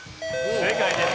正解です。